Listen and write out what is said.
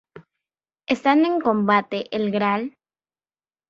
Estando en combate el Gral.